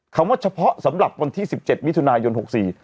คำว่าเฉพาะสำหรับวันที่๑๗มิถุนายนปี๖๔